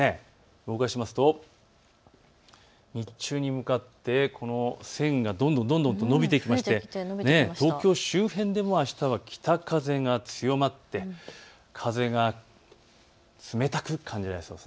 動かしますと、日中に向かって線がどんどん延びていきまして東京周辺でもあしたは北風が強まって風が冷たく感じられそうです。